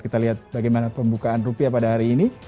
kita lihat bagaimana pembukaan rupiah pada hari ini